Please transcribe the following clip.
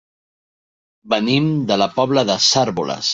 Venim de la Pobla de Cérvoles.